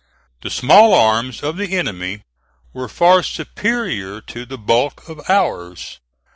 The small arms of the enemy were far superior to the bulk of ours.